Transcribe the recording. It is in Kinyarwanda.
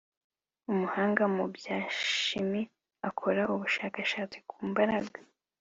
Umuhanga mu bya shimi akora ubushakashatsi ku mbaraga